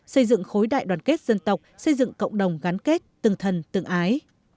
xây dựng khối đại đoàn kết dân tộc xây dựng cộng đồng gắn kết từng thần từng ái